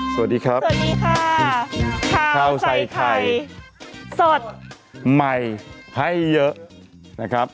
สวัสดีครับสวัสดีค่ะข้าวใส่ไข่สดใหม่ให้เยอะนะครับ